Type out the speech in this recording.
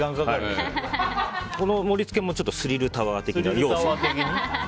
この盛り付けもスリルタワー的な要素が。